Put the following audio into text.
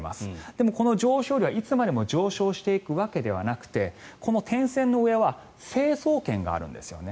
でも、この上昇流はいつまでも上昇していくわけではなくてこの点線の上は成層圏があるんですよね。